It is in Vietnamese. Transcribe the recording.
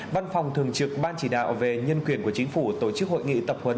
văn phòng thường trực ban chỉ đạo về nhân quyền của chính phủ tổ chức hội nghị tập huấn